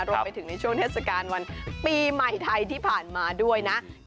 ในช่วงเทศกาลวันปีใหม่ไทยที่ผ่านมาด้วยนะ